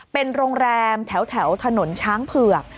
เป็นโรงแรมแถวถนนช้างเผือก